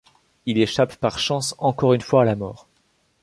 Il échappe, par chance, encore une fois à la mort.